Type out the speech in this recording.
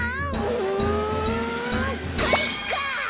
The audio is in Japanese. うんかいか！